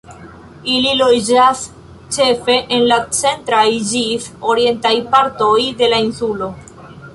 Ili loĝas ĉefe en la centraj ĝis orientaj partoj de la insulo.